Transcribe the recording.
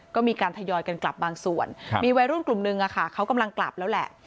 ก็มีการทยอยกันกลับบางส่วนมีวัยรุ่นกลุ่มนึงเขากำลังกลับแล้วแหละ